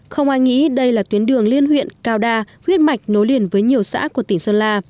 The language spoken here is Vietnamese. không ai nghĩ đây là tuyến đường liên huyện cao đa huyết mạch nối liền với nhiều xã của tỉnh sơn la